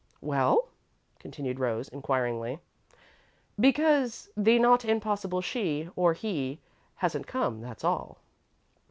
"Well?" continued Rose, inquiringly. "Because 'the not impossible she,' or 'he,' hasn't come, that's all."